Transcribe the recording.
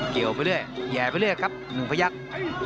เกี่ยวไปเรื่อยแห่ไปเรื่อยครับหนึ่งพยักษ์